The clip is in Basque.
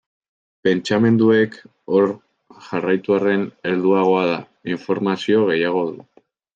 Pentsamenduek hor jarraitu arren, helduagoa da, informazio gehiago du.